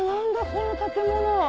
この建物。